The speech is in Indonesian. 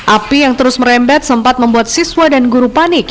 api yang terus merembet sempat membuat siswa dan guru panik